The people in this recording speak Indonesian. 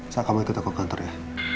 saat kamu ikut aku ke kantor ya